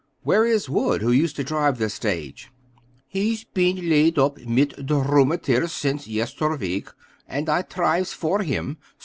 "Where is Wood, who used to drive this stage?" "He be's lait up mit ter rummatiz sence yesterweek, und I trives for him.